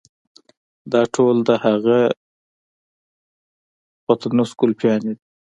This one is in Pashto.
دا ټول د هغه پټنوس ګلپيانې دي.